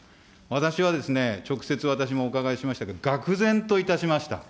私は、直接私もお伺いしましたけれども、がく然といたしました。